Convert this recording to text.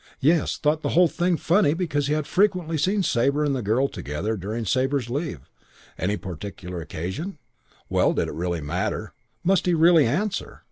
Yes, thought the whole thing funny because had frequently seen Sabre and the girl together during Sabre's leave. Any particular occasion? Well, did it really matter? Must he really answer?